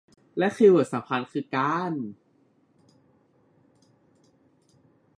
และคีย์เวิร์ดสำคัญคือการ